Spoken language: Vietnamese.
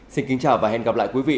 xin kính chào và hẹn gặp lại quý vị